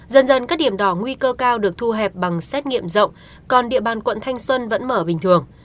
dần dần các điểm đỏ nguy cơ cao được thu hẹp bằng xét nghiệm rộng còn địa bàn quận thanh xuân vẫn mở bình thường